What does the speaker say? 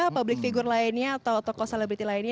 public figure lainnya atau tokoh selebriti lainnya